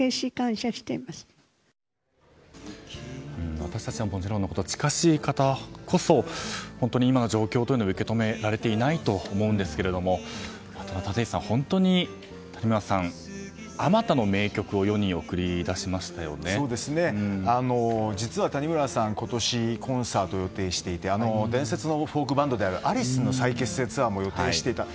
私たちはもちろんのこと近しい方こそ本当に今の状況を受け止めきれていないと思いますが立石さん、本当に谷村さんあまたの名曲を実は、谷村さん今年コンサートを予定していて伝説のフォークバンドアリスの再結成も予定していた。